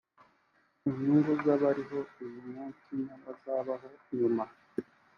ku nyungu z’abariho uyu munsi n’abazabaho nyuma